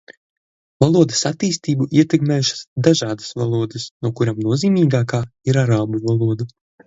Valodas attīstību ietekmējušas dažādas valodas, no kurām nozīmīgākā ir arābu valoda.